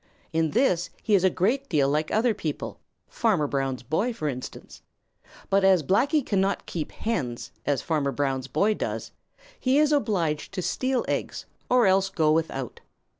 In this he is a great deal like other people, Farmer Brown's boy for instance. But as Blacky cannot keep hens, as Farmer Brown's boy does, he is obliged to steal eggs or else go without.